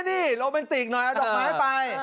นี่โรแมนติกหน่อยเอาดอกไม้ไป